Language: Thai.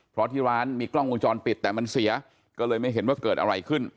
เพราะที่ร้านมีกล้องวงจรปิดแต่มันเสียก็เลยไม่เห็นว่าเกิดอะไรขึ้น